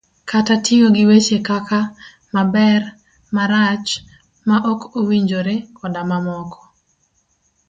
kata tiyo gi weche kaka" maber, marach, maok owinjore, " koda mamoko.